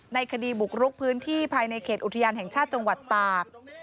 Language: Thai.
ในคดีบุกรุกพื้นที่ภายในเขตอุทยานแห่งชาติจังหวัดตาก